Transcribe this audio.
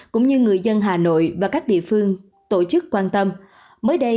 cũng như người dân hà nội và các địa phương tổ chức quan tâm